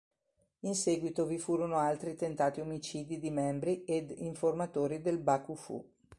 In seguito vi furono altri tentati omicidi di membri ed informatori del bakufu.